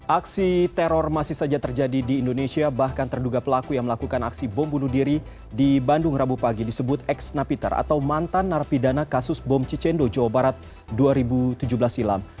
aksi teror masih saja terjadi di indonesia bahkan terduga pelaku yang melakukan aksi bom bunuh diri di bandung rabu pagi disebut ex napiter atau mantan narapidana kasus bom cicendo jawa barat dua ribu tujuh belas silam